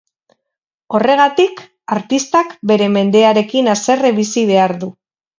Horregatik, artistak bere mendearekin haserre bizi behar du.